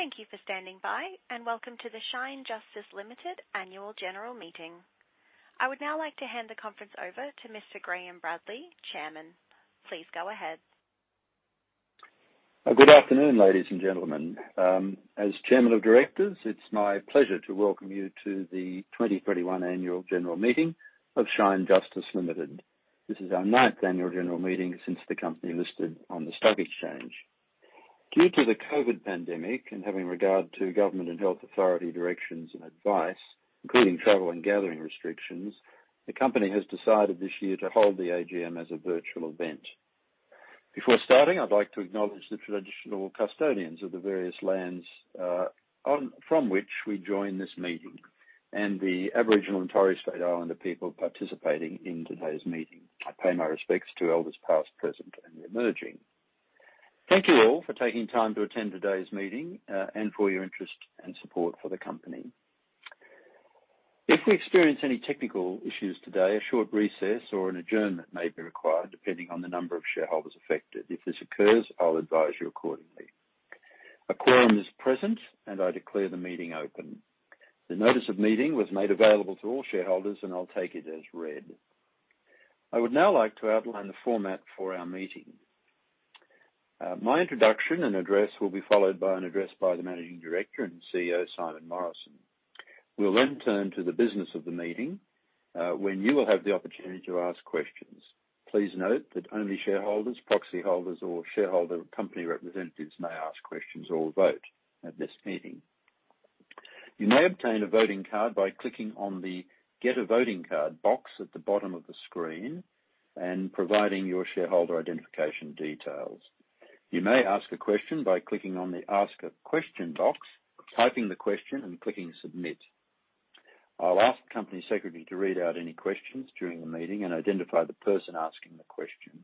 Thank you for standing by, and welcome to the Shine Justice Ltd annual general meeting. I would now like to hand the conference over to Mr Graham Bradley, Chairman. Please go ahead. Good afternoon, ladies and gentlemen. As chairman of directors, it's my pleasure to welcome you to the 2021 annual general meeting of Shine Justice Ltd. This is our ninth annual general meeting since the company listed on the stock exchange. Due to the COVID pandemic and having regard to government and health authority directions and advice, including travel and gathering restrictions, the company has decided this year to hold the AGM as a virtual event. Before starting, I'd like to acknowledge the traditional custodians of the various lands from which we join this meeting and the Aboriginal and Torres Strait Islander people participating in today's meeting. I pay my respects to elders past, present, and emerging. Thank you all for taking time to attend today's meeting and for your interest and support for the company. If we experience any technical issues today, a short recess or an adjournment may be required, depending on the number of shareholders affected. If this occurs, I'll advise you accordingly. A quorum is present, and I declare the meeting open. The notice of meeting was made available to all shareholders, and I'll take it as read. I would now like to outline the format for our meeting. My introduction and address will be followed by an address by the Managing Director and Chief Executive Officer, Simon Morrison. We'll then turn to the business of the meeting, when you will have the opportunity to ask questions. Please note that only shareholders, proxy holders, or shareholder company representatives may ask questions or vote at this meeting. You may obtain a voting card by clicking on the Get a Voting Card box at the bottom of the screen and providing your shareholder identification details. You may ask a question by clicking on the Ask a Question box, typing the question, and clicking Submit. I'll ask the Company Secretary to read out any questions during the meeting and identify the person asking the question.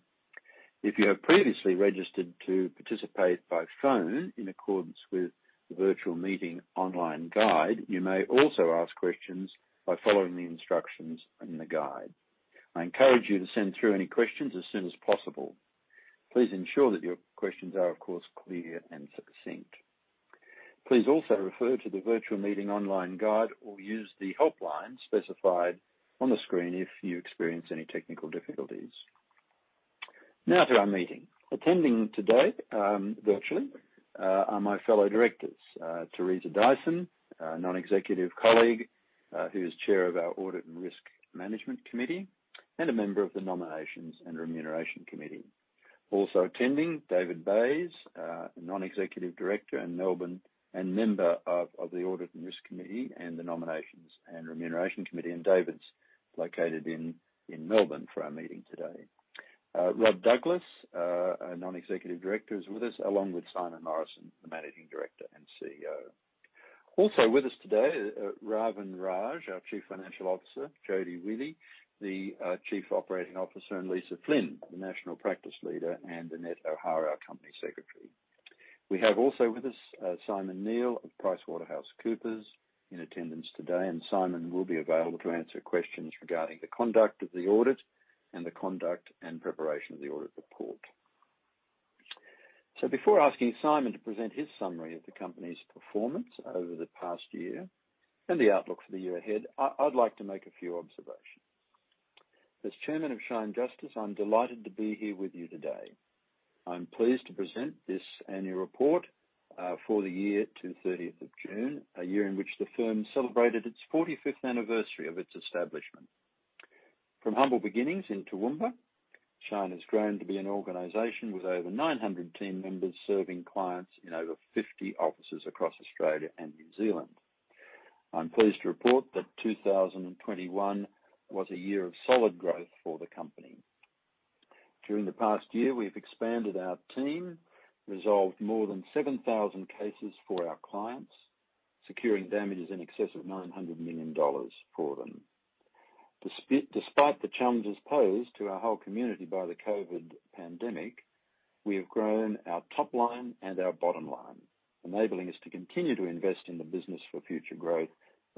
If you have previously registered to participate by phone in accordance with the virtual meeting online guide, you may also ask questions by following the instructions in the guide. I encourage you to send through any questions as soon as possible. Please ensure that your questions are, of course, clear and succinct. Please also refer to the virtual meeting online guide or use the helpline specified on the screen if you experience any technical difficulties. Now to our meeting. Attending today, virtually, are my fellow directors, Teresa Dyson, a non-executive colleague who is Chair of our Audit and Risk Management Committee and a member of the Nominations and Remuneration Committee. Also attending, David Bayes, a Non-Executive Director and member of the Audit and Risk Committee and the Nominations and Remuneration Committee. David's located in Melbourne for our meeting today. Rodney Douglas, a Non-Executive Director, is with us, along with Simon Morrison, the Managing Director and Chief Executive Officer. Also with us today, Ravin Raj, our Chief Financial Officer, Jodie Willey, the Chief Operating Officer, and Lisa Flynn, the National Practice Leader, and Annette O'Hara, our Company Secretary. We have also with us Simon Neill of PricewaterhouseCoopers in attendance today, and Simon will be available to answer questions regarding the conduct of the audit and the conduct and preparation of the audit report. Before asking Simon to present his summary of the company's performance over the past year and the outlook for the year ahead, I'd like to make a few observations. As chairman of Shine Justice, I'm delighted to be here with you today. I'm pleased to present this annual report for the year to June 30th, a year in which the firm celebrated its 45th anniversary of its establishment. From humble beginnings in Toowoomba, Shine has grown to be an organization with over 900 team members serving clients in over 50 offices across Australia and New Zealand. I'm pleased to report that 2021 was a year of solid growth for the company. During the past year, we've expanded our team, resolved more than 7,000 cases for our clients, securing damages in excess of 900 million dollars for them. Despite the challenges posed to our whole community by the COVID pandemic, we have grown our top line and our bottom line, enabling us to continue to invest in the business for future growth,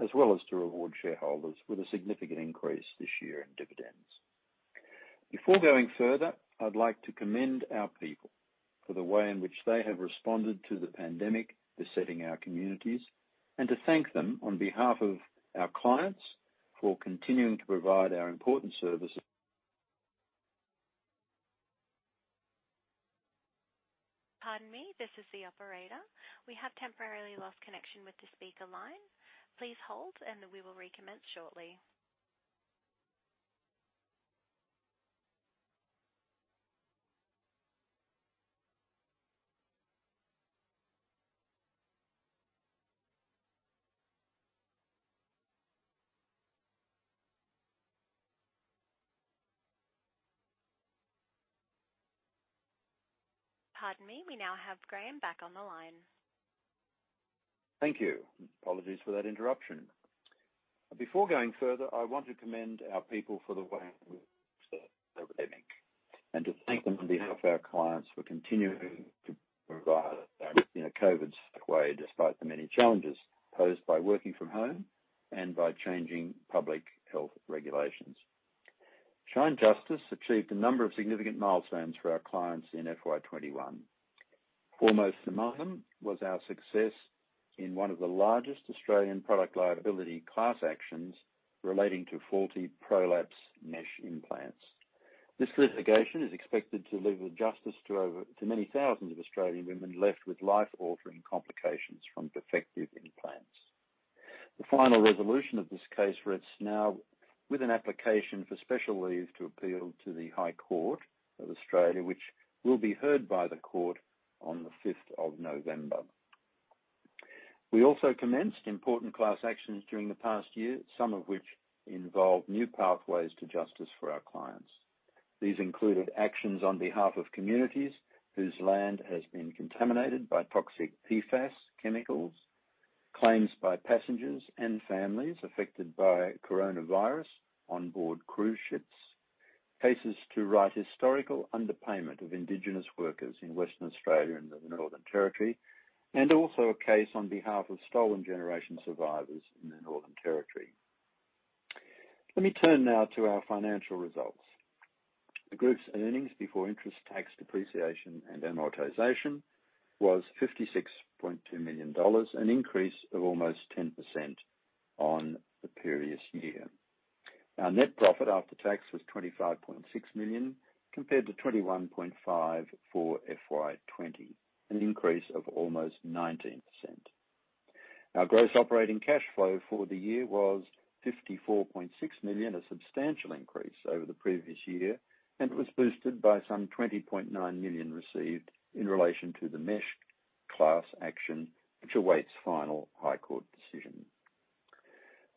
as well as to reward shareholders with a significant increase this year in dividends. Before going further, I'd like to commend our people for the way in which they have responded to the pandemic besetting our communities, and to thank them on behalf of our clients for continuing to provide our important service. Pardon me. This is the operator. We have temporarily lost connection with the speaker line. Please hold and we will recommence shortly. Pardon me. We now have Graham back on the line. Thank you. Apologies for that interruption. Before going further, I want to commend our people for the way and to thank them on behalf of our clients for continuing to provide in a COVID safe way, despite the many challenges posed by working from home and by changing public health regulations. Shine Justice achieved a number of significant milestones for our clients in FY 2021. Foremost among them was our success in one of the largest Australian product liability class actions relating to faulty prolapse mesh implants. This litigation is expected to deliver justice to many thousands of Australian women left with life-altering complications from defective implants. The final resolution of this case rests now with an application for special leave to appeal to the High Court of Australia, which will be heard by the court on November 5th. We also commenced important class actions during the past year, some of which involved new pathways to justice for our clients. These included actions on behalf of communities whose land has been contaminated by toxic PFAS chemicals, claims by passengers and families affected by coronavirus onboard cruise ships, cases to right historical underpayment of Indigenous workers in Western Australia and the Northern Territory, and also a case on behalf of Stolen Generations survivors in the Northern Territory. Let me turn now to our financial results. The group's earnings before interest, tax, depreciation, and amortization was 56.2 million dollars, an increase of almost 10% on the previous year. Our net profit after tax was 25.6 million compared to 21.5 million for FY 2020, an increase of almost 19%. Our gross operating cash flow for the year was 54.6 million, a substantial increase over the previous year, and was boosted by some 20.9 million received in relation to the mesh class action, which awaits final High Court decision.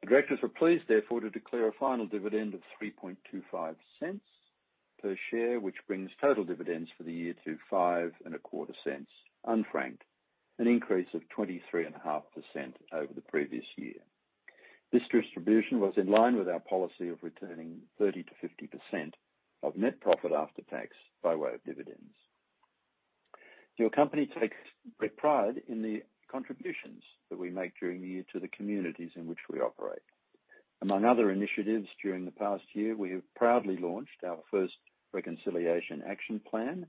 The directors are pleased, therefore, to declare a final dividend of 0.0325 per share, which brings total dividends for the year to 0.0525, unfranked, an increase of 23.5% over the previous year. This distribution was in line with our policy of returning 30%-50% of net profit after tax by way of dividends. Your company takes great pride in the contributions that we make during the year to the communities in which we operate. Among other initiatives during the past year, we have proudly launched our first Reconciliation Action Plan.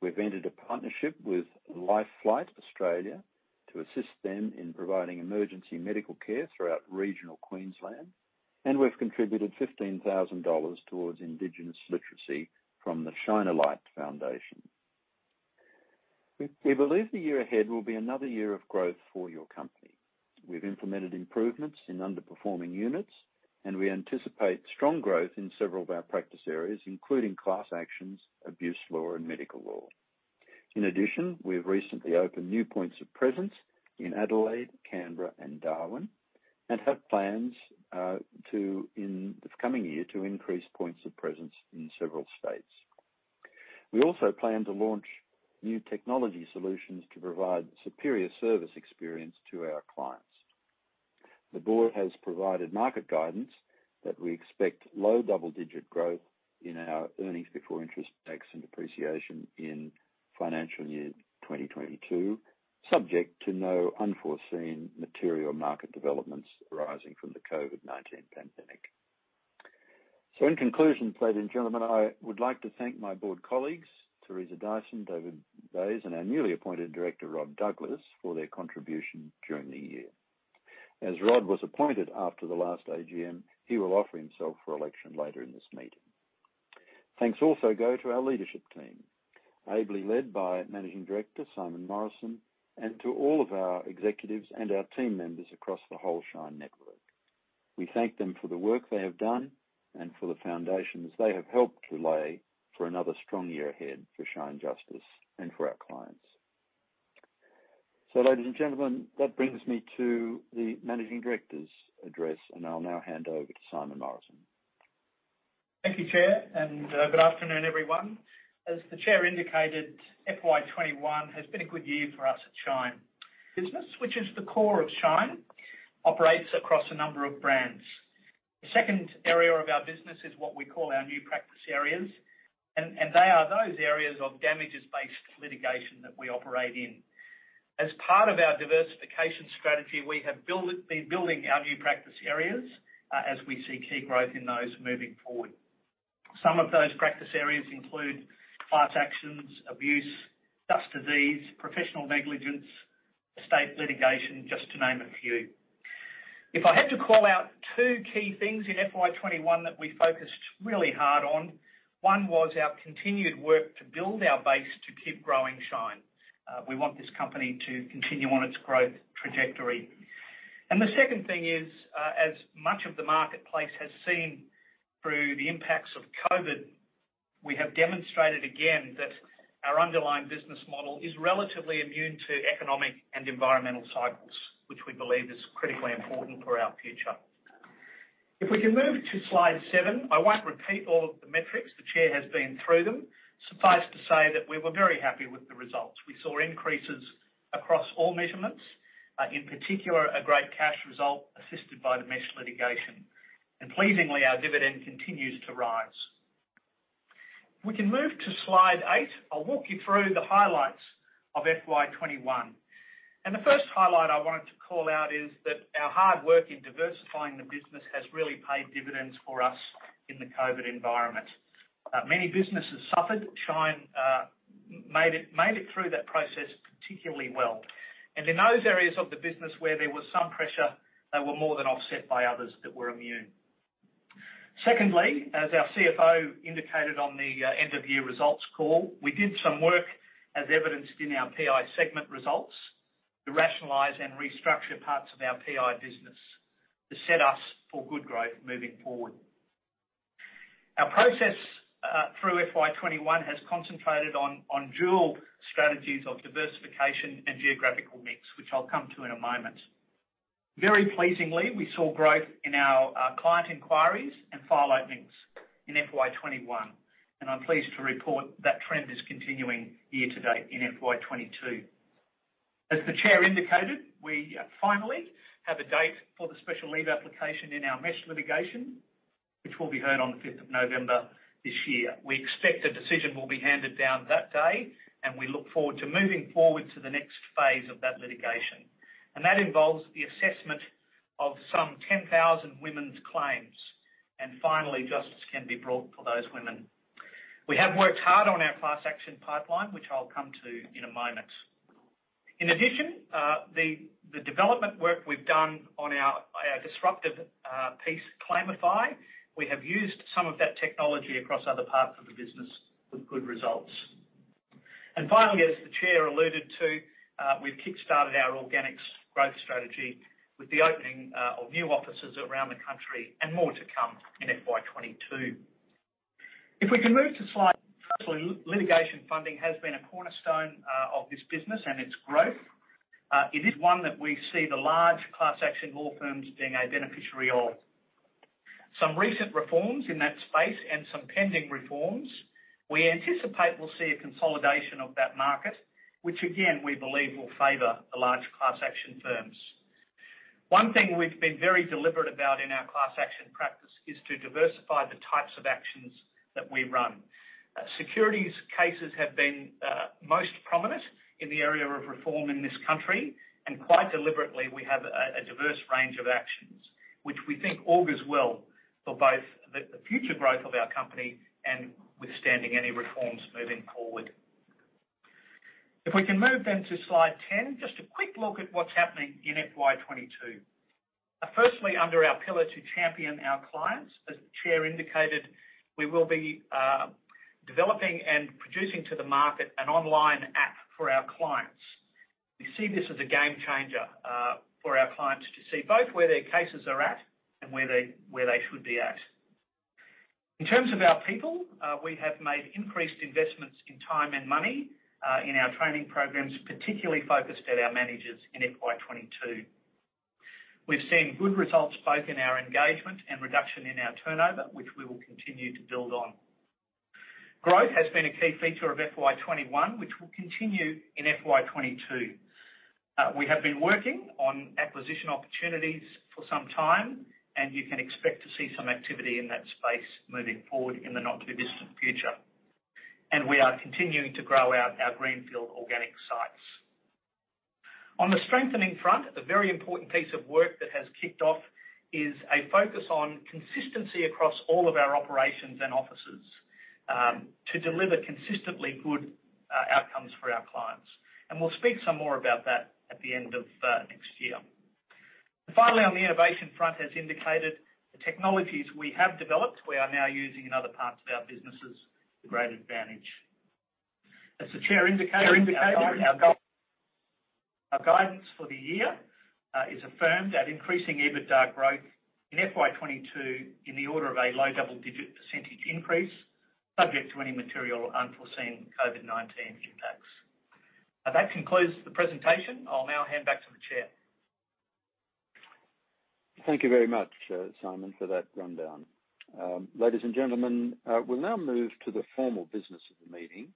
We've entered a partnership with LifeFlight Australia to assist them in providing emergency medical care throughout regional Queensland, and we've contributed 15,000 dollars towards Indigenous literacy from the Shine A Light Foundation. We believe the year ahead will be another year of growth for your company. We've implemented improvements in underperforming units, and we anticipate strong growth in several of our practice areas, including class actions, abuse law, and medical law. In addition, we have recently opened new points of presence in Adelaide, Canberra, and Darwin, and have plans in this coming year to increase points of presence in several states. We also plan to launch new technology solutions to provide superior service experience to our clients. The board has provided market guidance that we expect low double-digit growth in our earnings before interest, tax, and depreciation in financial year 2022, subject to no unforeseen material market developments arising from the COVID-19 pandemic. In conclusion, ladies and gentlemen, I would like to thank my board colleagues, Teresa Dyson, David Bayes, and our newly appointed Director, Rod Douglas, for their contribution during the year. As Rod was appointed after the last AGM, he will offer himself for election later in this meeting. Thanks also go to our leadership team, ably led by Managing Director Simon Morrison, and to all of our executives and our team members across the whole Shine network. We thank them for the work they have done and for the foundations they have helped to lay for another strong year ahead for Shine Justice and for our clients. Ladies and gentlemen, that brings me to the managing director's address, and I'll now hand over to Simon Morrison. Thank you, Chair, and good afternoon, everyone. As the Chair indicated, FY 2021 has been a good year for us at Shine. Business, which is the core of Shine, operates across a number of brands. The second area of our business is what we call our new practice areas, and they are those areas of damages-based litigation that we operate in. As part of our diversification strategy, we have been building our new practice areas as we see key growth in those moving forward. Some of those practice areas include class actions, abuse, dust disease, professional negligence, estate litigation, just to name a few. If I had to call out two key things in FY 2021 that we focused really hard on, one was our continued work to build our base to keep growing Shine. We want this company to continue on its growth trajectory. The second thing is, as much of the marketplace has seen through the impacts of COVID-19, we have demonstrated again that our underlying business model is relatively immune to economic and environmental cycles, which we believe is critically important for our future. If we can move to slide seven, I won't repeat all of the metrics. The Chair has been through them. Suffice to say that we were very happy with the results. We saw increases across all measurements. In particular, a great cash result assisted by the mesh litigation. Pleasingly, our dividend continues to rise. If we can move to slide eight, I'll walk you through the highlights of FY 2021. The first highlight I wanted to call out is that our hard work in diversifying the business has really paid dividends for us in the COVID-19 environment. Many businesses suffered. Shine made it through that process particularly well. In those areas of the business where there was some pressure, they were more than offset by others that were immune. Secondly, as our Chief Financial Officer indicated on the end of year results call, we did some work as evidenced in our PI segment results to rationalize and restructure parts of our PI business to set us for good growth moving forward. Our process through FY 2021 has concentrated on dual strategies of diversification and geographical mix, which I'll come to in a moment. Very pleasingly, we saw growth in our client inquiries and file openings in FY 2021, and I'm pleased to report that trend is continuing year to date in FY 2022. As the Chairman indicated, we finally have a date for the special leave application in our mesh litigation, which will be heard on November 5th this year. We expect a decision will be handed down that day, and we look forward to moving forward to the next phase of that litigation. That involves the assessment of some 10,000 women's claims, and finally, justice can be brought for those women. We have worked hard on our class action pipeline, which I'll come to in a moment. In addition, the development work we've done on our disruptive piece, Claimify, we have used some of that technology across other parts of the business with good results. Finally, as the chair alluded to, we've kickstarted our organics growth strategy with the opening of new offices around the country and more to come in FY 2022. If we can move to slide. Litigation funding has been a cornerstone of this business and its growth. It is one that we see the large class action law firms being a beneficiary of. Some recent reforms in that space and some pending reforms, we anticipate we'll see a consolidation of that market, which again, we believe will favor the large class action firms. One thing we've been very deliberate about in our class action practice is to diversify the types of actions that we run. Securities cases have been most prominent in the area of reform in this country, and quite deliberately, we have a diverse range of actions, which we think augurs well for both the future growth of our company and withstanding any reforms moving forward. If we can move then to Slide 10, just a quick look at what's happening in FY 2022. Firstly, under our pillar to champion our clients, as the Chair indicated, we will be developing and producing to the market an online app for our clients. We see this as a game changer for our clients to see both where their cases are at and where they should be at. In terms of our people, we have made increased investments in time and money in our training programs, particularly focused at our managers in FY 2022. We've seen good results both in our engagement and reduction in our turnover, which we will continue to build on. Growth has been a key feature of FY 2021, which will continue in FY 2022. We have been working on acquisition opportunities for some time, and you can expect to see some activity in that space moving forward in the not too distant future. We are continuing to grow out our greenfield organic sites. On the strengthening front, a very important piece of work that has kicked off is a focus on consistency across all of our operations and offices to deliver consistently good outcomes for our clients. We'll speak some more about that at the end of next year. Finally, on the innovation front, as indicated, the technologies we have developed, we are now using in other parts of our businesses to great advantage. As the chair indicated our guidance for the year is affirmed at increasing EBITDA growth in FY 2022 in the order of a low double-digit % increase, subject to any material unforeseen COVID-19 impacts. That concludes the presentation. I'll now hand back to the chair. Thank you very much, Simon, for that rundown. Ladies and gentlemen, we'll now move to the formal business of the meeting.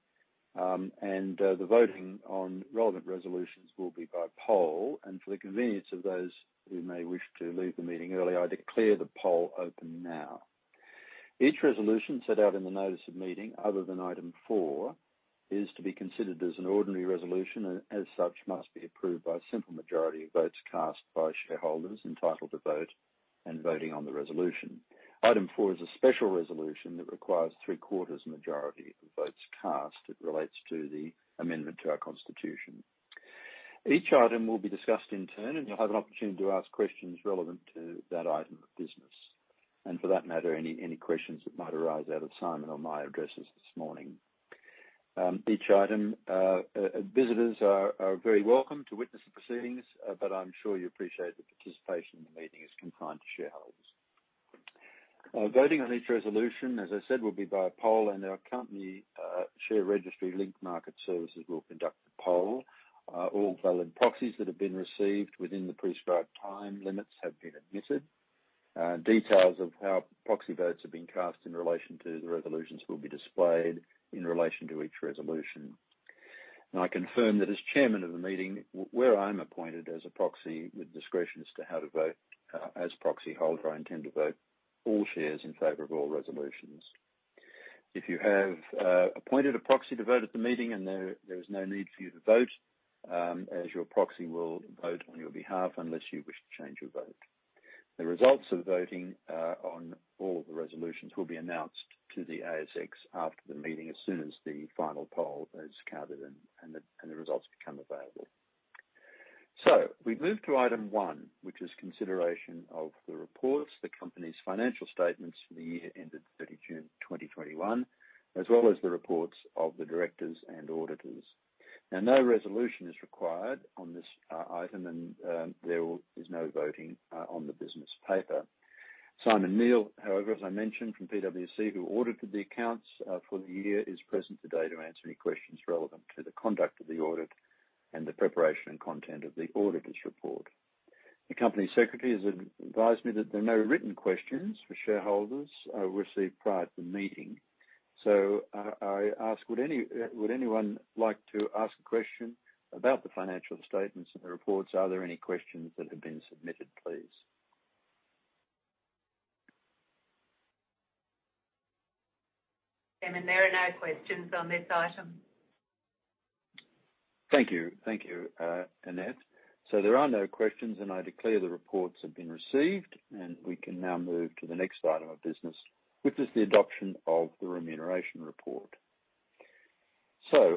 The voting on relevant resolutions will be by poll. For the convenience of those who may wish to leave the meeting early, I declare the poll open now. Each resolution set out in the notice of meeting other than item four is to be considered as an ordinary resolution. As such, must be approved by a simple majority of votes cast by shareholders entitled to vote and voting on the resolution. Item four is a special resolution that requires three-quarters majority of the votes cast. It relates to the amendment to our constitution. Each item will be discussed in turn, and you'll have an opportunity to ask questions relevant to that item of business, and for that matter, any questions that might arise out of Simon or my addresses this morning. Visitors are very welcome to witness the proceedings, but I'm sure you appreciate that participation in the meeting is confined to shareholders. Voting on each resolution, as I said, will be by poll, and our company share registry Link Market Services will conduct the poll. All valid proxies that have been received within the prescribed time limits have been admitted. Details of how proxy votes have been cast in relation to the resolutions will be displayed in relation to each resolution. I confirm that as chairman of the meeting, where I'm appointed as a proxy with discretion as to how to vote, as proxy holder, I intend to vote all shares in favor of all resolutions. If you have appointed a proxy to vote at the meeting, there is no need for you to vote, as your proxy will vote on your behalf unless you wish to change your vote. The results of voting on all of the resolutions will be announced to the ASX after the meeting as soon as the final poll is counted and the results become available. We move to item one, which is consideration of the reports, the company's financial statements for the year ended June 30th, 2021, as well as the reports of the directors and auditors. No resolution is required on this item, and there is no voting on the business paper. Simon Neill, however, as I mentioned, from PwC, who audited the accounts for the year, is present today to answer any questions relevant to the conduct of the audit and the preparation and content of the auditor's report. The company secretary has advised me that there are no written questions for shareholders received prior to the meeting. I ask, would anyone like to ask a question about the financial statements and the reports? Are there any questions that have been submitted, please? Chairman, there are no questions on this item. Thank you, Annette. There are no questions, and I declare the reports have been received, and we can now move to the next item of business, which is the adoption of the remuneration report.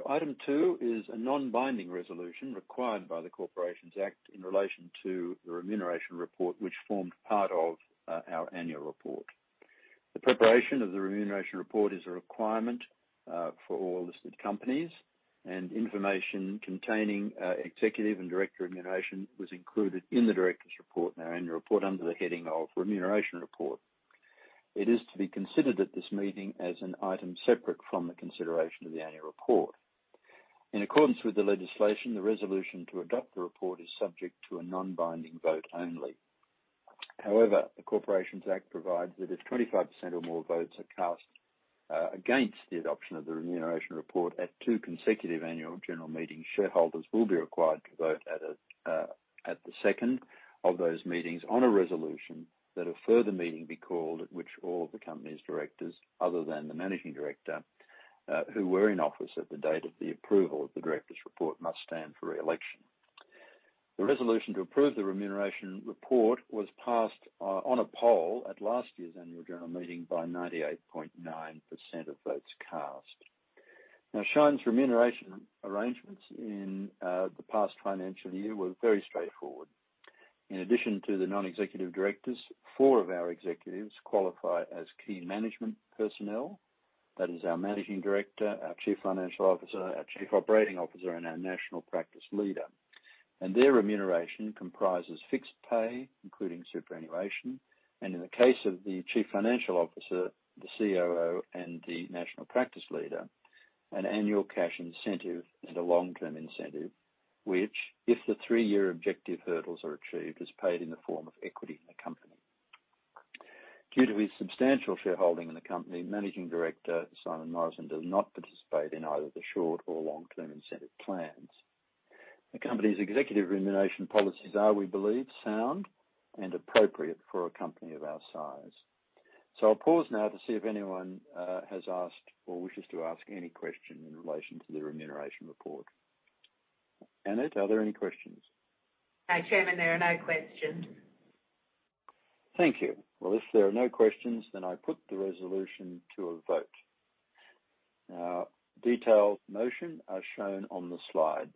Item two is a non-binding resolution required by the Corporations Act in relation to the remuneration report, which formed part of our annual report. The preparation of the remuneration report is a requirement for all listed companies, and information containing executive and director remuneration was included in the directors report and our annual report under the heading of Remuneration Report. It is to be considered at this meeting as an item separate from the consideration of the annual report. In accordance with the legislation, the resolution to adopt the report is subject to a non-binding vote only. The Corporations Act provides that if 25% or more votes are cast against the adoption of the remuneration report at two consecutive annual general meetings, shareholders will be required to vote at the second of those meetings on a resolution that a further meeting be called at which all of the company's directors, other than the managing director, who were in office at the date of the approval of the directors' report, must stand for re-election. The resolution to approve the remuneration report was passed on a poll at last year's annual general meeting by 98.9% of votes cast. Shine's remuneration arrangements in the past financial year were very straightforward. In addition to the non-executive directors, four of our executives qualify as key management personnel. That is our managing director, our chief financial officer, our chief operating officer, and our national practice leader. Their remuneration comprises fixed pay, including superannuation, and in the case of the Chief Financial Officer, the Chief Operating Officer, and the National Practice Leader, an annual cash incentive and a long-term incentive, which, if the three-year objective hurdles are achieved, is paid in the form of equity in the company. Due to his substantial shareholding in the company, Managing Director Simon Morrison does not participate in either the short or long-term incentive plans. The company's executive remuneration policies are, we believe, sound and appropriate for a company of our size. I'll pause now to see if anyone has asked or wishes to ask any question in relation to the remuneration report. Annette, are there any questions? No, Chairman, there are no questions. Thank you. Well, if there are no questions, I put the resolution to a vote. Detailed motion are shown on the slide.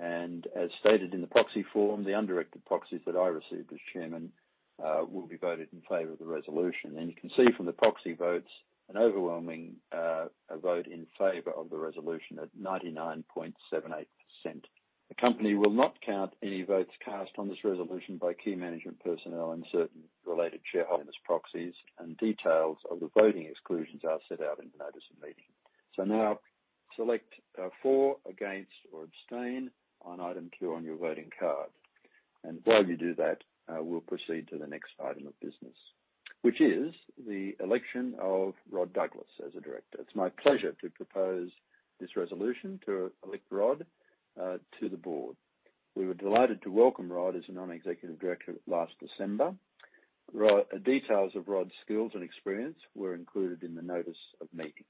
As stated in the proxy form, the undirected proxies that I received as Chairman will be voted in favor of the resolution. You can see from the proxy votes an overwhelming vote in favor of the resolution at 99.78%. The company will not count any votes cast on this resolution by key management personnel and certain related shareholders' proxies, and details of the voting exclusions are set out in the notice of meeting. Now, select for, against, or abstain on item two on your voting card. While you do that, we will proceed to the next item of business, which is the election of Rodney Douglas as a director. It's my pleasure to propose this resolution to elect Rod to the board. We were delighted to welcome Rodney Douglas as a non-executive director last December. Details of Rodney Douglas's skills and experience were included in the notice of meeting.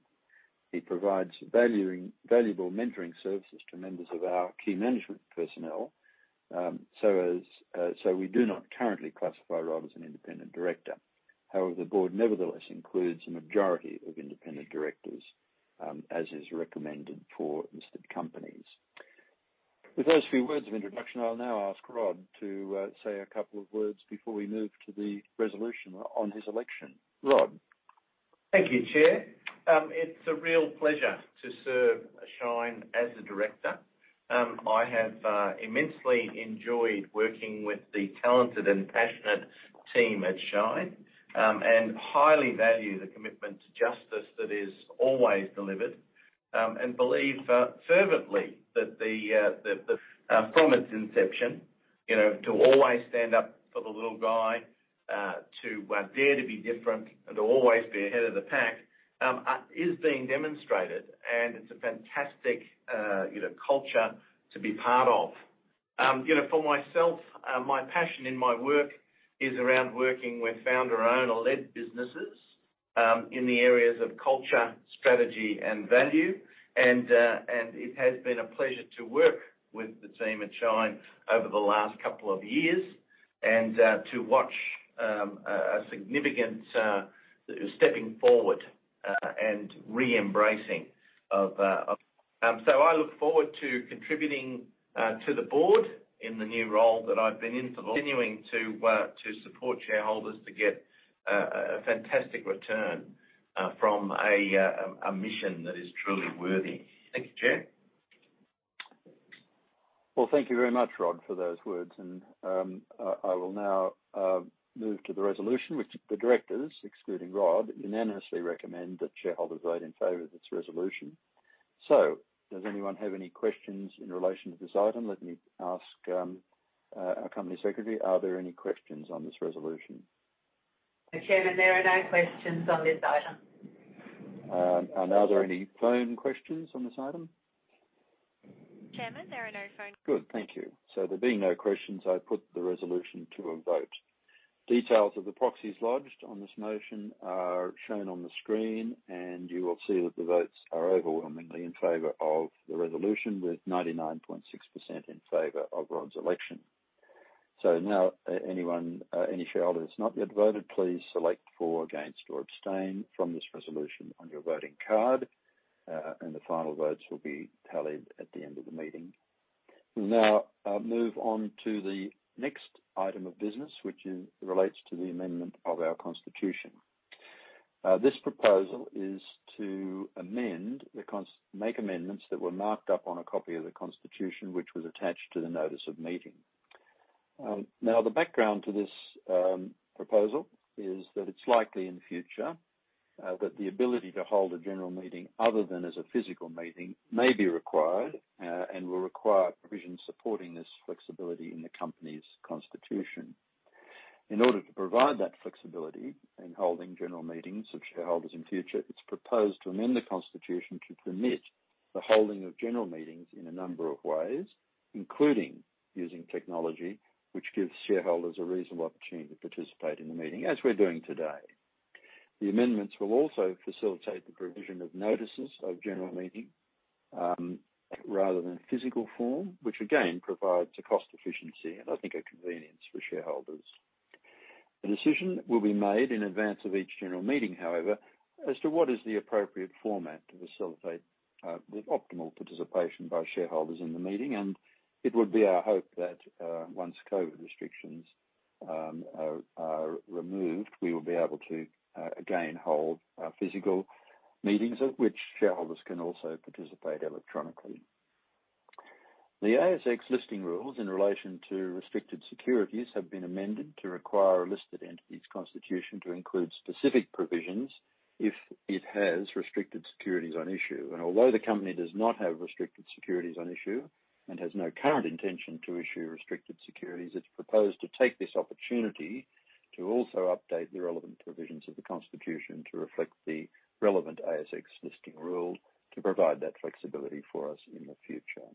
He provides valuable mentoring services to members of our key management personnel, so we do not currently classify Rodney Douglas as an independent director. However, the board nevertheless includes a majority of independent directors, as is recommended for listed companies. With those few words of introduction, I'll now ask Rodney Douglas to say a couple of words before we move to the resolution on his election. Rodney Douglas? Thank you, Chair. It's a real pleasure to serve Shine as a director. I have immensely enjoyed working with the talented and passionate team at Shine, and highly value the commitment to justice that is always delivered, and believe fervently that from its inception, to always stand up for the little guy, to dare to be different, and to always be ahead of the pack is being demonstrated, and it's a fantastic culture to be part of. For myself, my passion in my work is around working with founder owner-led businesses in the areas of culture, strategy, and value. It has been a pleasure to work with the team at Shine over the last couple of years and to watch a significant stepping forward. I look forward to contributing to the board in the new role that I've been in, continuing to support shareholders to get a fantastic return from a mission that is truly worthy. Thank you, Chair. Thank you very much, Rod, for those words. I will now move to the resolution which the directors, excluding Rod, unanimously recommend that shareholders vote in favor of this resolution. Does anyone have any questions in relation to this item? Let me ask our Company Secretary, are there any questions on this resolution? Chairman, there are no questions on this item. Are there any phone questions on this item? Chairman, there are no questions. Good. Thank you. There being no questions, I put the resolution to a vote. Details of the proxies lodged on this motion are shown on the screen. You will see that the votes are overwhelmingly in favor of the resolution, with 99.6% in favor of Rod's election. Now any shareholder that's not yet voted, please select for, against, or abstain from this resolution on your voting card. The final votes will be tallied at the end of the meeting. We now move on to the next item of business, which relates to the amendment of our constitution. This proposal is to make amendments that were marked up on a copy of the constitution, which was attached to the notice of meeting. Now, the background to this proposal is that it's likely in the future that the ability to hold a general meeting other than as a physical meeting may be required and will require provision supporting this flexibility in the company's constitution. In order to provide that flexibility in holding general meetings of shareholders in future, it's proposed to amend the constitution to permit the holding of general meetings in a number of ways, including using technology which gives shareholders a reasonable opportunity to participate in the meeting, as we're doing today. The amendments will also facilitate the provision of notices of general meeting, rather than in physical form, which again provides a cost efficiency and I think a convenience for shareholders. A decision will be made in advance of each general meeting, however, as to what is the appropriate format to facilitate the optimal participation by shareholders in the meeting. It would be our hope that once COVID restrictions are removed, we will be able to again hold physical meetings at which shareholders can also participate electronically. The ASX listing rules in relation to restricted securities have been amended to require a listed entity's constitution to include specific provisions if it has restricted securities on issue. Although the company does not have restricted securities on issue and has no current intention to issue restricted securities, it's proposed to take this opportunity to also update the relevant provisions of the constitution to reflect the relevant ASX listing rule to provide that flexibility for us in the future.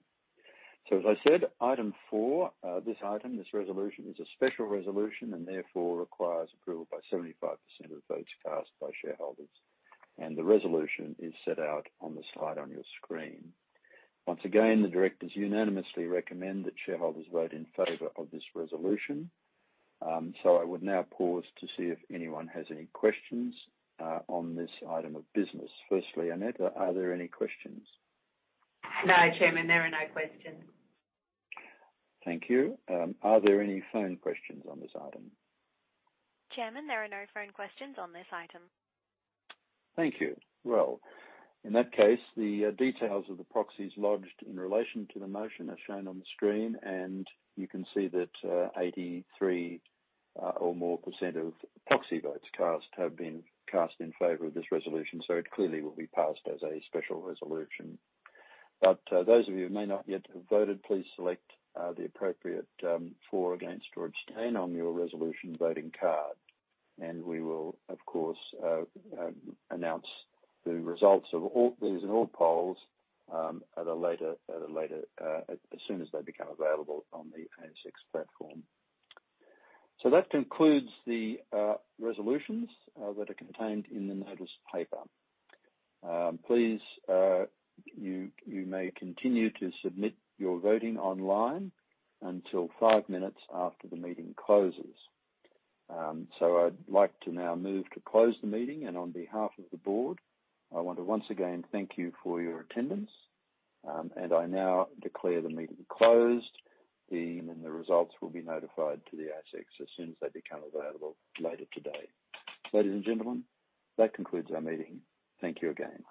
As I said, item 4, this item, this resolution, is a special resolution and therefore requires approval by 75% of votes cast by shareholders. The resolution is set out on the slide on your screen. Once again, the directors unanimously recommend that shareholders vote in favor of this resolution. I would now pause to see if anyone has any questions on this item of business. Firstly, Annette, are there any questions? No, Chairman, there are no questions. Thank you. Are there any phone questions on this item? Chairman, there are no phone questions on this item. Thank you. Well, in that case, the details of the proxies lodged in relation to the motion are shown on the screen, and you can see that 83% or more of proxy votes cast have been cast in favor of this resolution, so it clearly will be passed as a special resolution. Those of you who may not yet have voted, please select the appropriate for, against, or abstain on your resolution voting card. We will, of course, announce the results of all polls as soon as they become available on the ASX platform. That concludes the resolutions that are contained in the notice paper. Please, you may continue to submit your voting online until 5 minutes after the meeting closes. I'd like to now move to close the meeting, on behalf of the board, I want to once again thank you for your attendance. I now declare the meeting closed. The results will be notified to the ASX as soon as they become available later today. Ladies and gentlemen, that concludes our meeting. Thank you again.